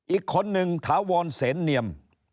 อีกคนนึงถาวรเสนเนียม